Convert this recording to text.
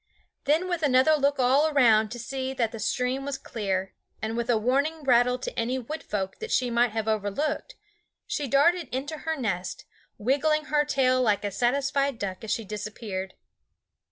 Then with another look all round to see that the stream was clear, and with a warning rattle to any Wood Folk that she might have overlooked, she darted into her nest, wiggling her tail like a satisfied duck as she disappeared.